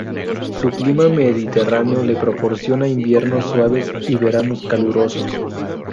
Su clima mediterráneo le proporciona inviernos suaves y veranos calurosos.